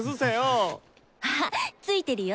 あっついてるよ。